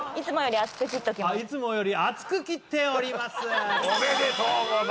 いつもより厚く切っております！